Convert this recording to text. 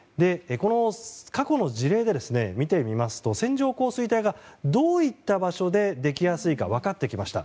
過去の事例で見てみますと線状降水帯がどういった場所でできやすいか分かってきました。